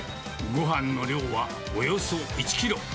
ごはんの量はおよそ１キロ。